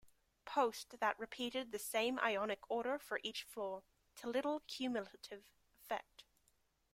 Post that repeated the same Ionic order for each floor, to little cumulative effect.